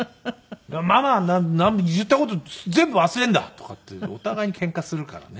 「ママは言った事全部忘れるんだ」とかってお互いにケンカするからね。